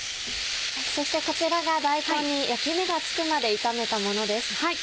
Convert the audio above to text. そしてこちらが大根に焼き目がつくまで炒めたものです。